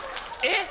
えっ？